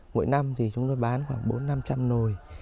mỗi năm thì chúng tôi bán khoảng bốn trăm linh năm trăm linh nồi